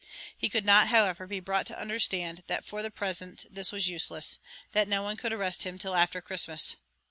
He could not, however, be brought to understand that, for the present, this was useless that no one could arrest him till after Christmas.